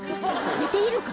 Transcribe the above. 寝ているのか？